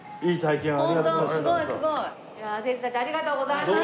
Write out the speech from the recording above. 先生たちありがとうございました。